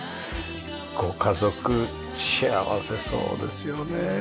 ご家族幸せそうですよね。